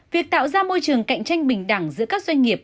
việc tạo ra môi trường cạnh tranh bình đẳng giữa các doanh nghiệp